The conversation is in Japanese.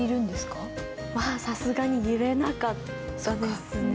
まあさすがに言えなかったですね。